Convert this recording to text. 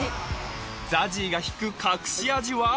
ＺＡＺＹが引く隠し味は？